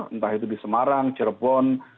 entah itu di semarang cirebon